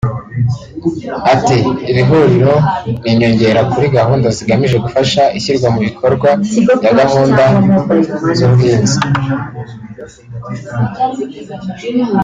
Ati “Iri huriro ni inyongera kuri gahunda zigamije gufasha ishyirwa mu bikorwa ya gahunda z’ubuhunzi